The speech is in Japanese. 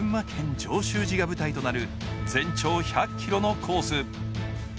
上州路が舞台となる全長１００ｋｍのコース。